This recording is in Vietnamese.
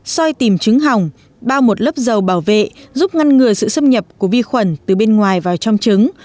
soi tìm chứng hỏng bao một lớp dầu bảo vệ giúp ngăn ngừa sự xâm nhập của vi khuẩn từ bên ngoài vào trong trứng